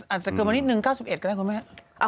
อาจจะเกินมานิดนึง๙๑ก็ได้คุณแม่